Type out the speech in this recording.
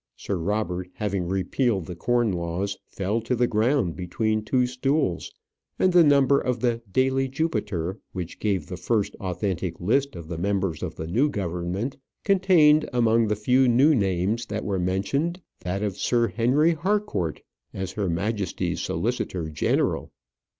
Sir Robert, having repealed the corn laws, fell to the ground between two stools, and the number of the "Daily Jupiter" which gave the first authentic list of the members of the new government, contained, among the few new names that were mentioned, that of Sir Henry Harcourt as Her Majesty's solicitor general.